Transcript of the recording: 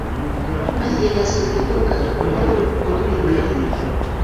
Mathias Mpuuga akulira oludda oluvuganya.